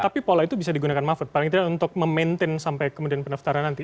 tapi pola itu bisa digunakan mahfud paling tidak untuk memaintain sampai kemudian pendaftaran nanti